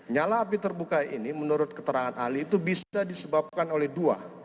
nyala api terbuka ini menurut keterangan ahli itu bisa disebabkan oleh dua